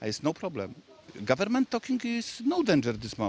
pada saat ini perbicaraan pemerintah tidak berbahaya